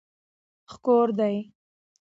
ښکار دي